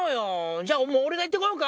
じゃあ俺が行って来ようか？